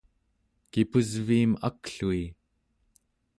kipusviim aklui